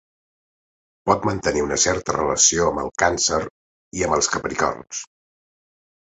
Pot mantenir una certa relació amb el càncer i amb els capricorns.